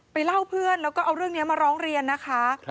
เล่าเพื่อนแล้วก็เอาเรื่องนี้มาร้องเรียนนะคะ